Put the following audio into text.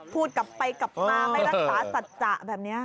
พูดกลับไปกลับมาไม่รักษาสัจจะแบบนี้